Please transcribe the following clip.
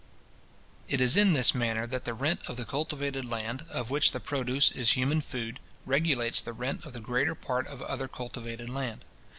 It is in this manner that the rent of the cultivated land, of which the produce is human food, regulates the rent of the greater part of other cultivated land.